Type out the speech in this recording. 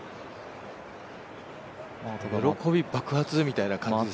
喜び爆発みたいな感じですよね。